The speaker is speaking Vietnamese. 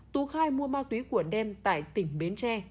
tú khai mua ma túy của đem tại tỉnh bến tre